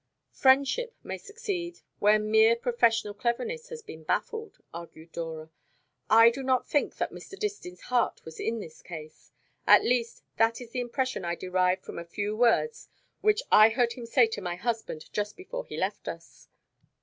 "Friendship may succeed where mere professional cleverness has been baffled," argued Dora. "I do not think that Mr. Distin's heart was in this case. At least that is the impression I derived from a few words which I heard him say to my husband just before he left us."